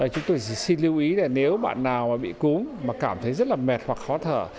chúng tôi xin lưu ý là nếu bạn nào bị cúm mà cảm thấy rất là mệt hoặc khó thở